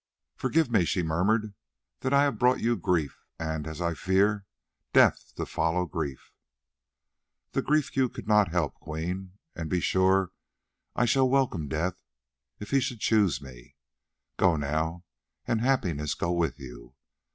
"Forgive me," she murmured, "that I have brought you grief, and, as I fear, death to follow grief." "The grief you could not help, Queen, and be sure I shall welcome death if he should choose me. Go now, and happiness go with you.